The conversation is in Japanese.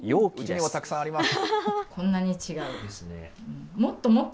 うちにもたくさんあります。